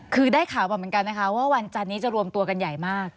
คือได้ข่าวมาเหมือนกันนะคะว่าวันจันนี้จะรวมตัวกันใหญ่มาก